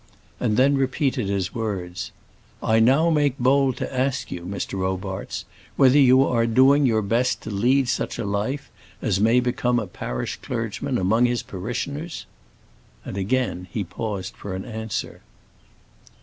And then repeated his words: "I now make bold to ask you, Mr. Robarts, whether you are doing your best to lead such a life as may become a parish clergyman among his parishioners?" And again he paused for an answer.